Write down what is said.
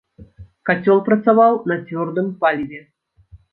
Кацёл працаваў на цвёрдым паліве.